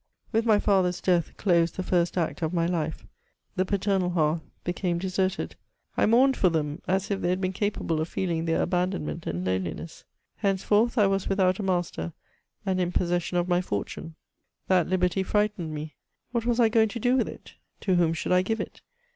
With my father's death closed the first act of my life ; the paternal hearth became deserted ; I mourned for them, as if th^y had been capable of feeling their abandonment and lone liness. Henceforth I was without a master, and in possession of my fortune. That liberty frightened me. What was I going to do with it? To whom should I give it?